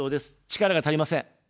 力が足りません。